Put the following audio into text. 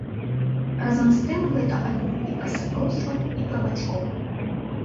Разам з тым гэта альбом і пра сяброўства, і пра бацькоў.